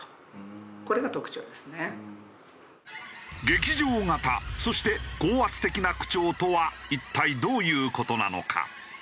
劇場型そして高圧的な口調とは一体どういう事なのか？